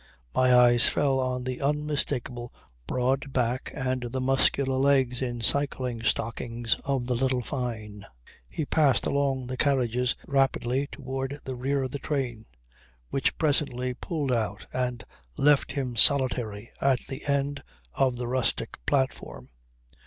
My eyes fell on the unmistakable broad back and the muscular legs in cycling stockings of little Fyne. He passed along the carriages rapidly towards the rear of the train, which presently pulled out and left him solitary at the end of the rustic platform.